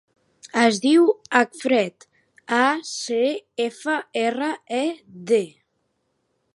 Es diu Acfred: a, ce, efa, erra, e, de.